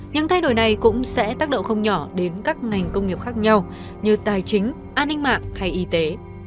những thay đổi này cũng sẽ tác động không nhỏ đến các ngành công nghiệp khác nhau như tài chính an ninh mạng hay y tế